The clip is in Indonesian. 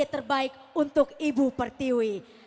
terbaik untuk ibu pertiwi